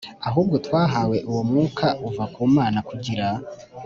hubwo twahawe uwo Mwuka uva ku Mana kugira